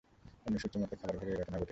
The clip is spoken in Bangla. অন্য সূত্রের মতে, খাবার ঘরে এই ঘটনা ঘটেছিল।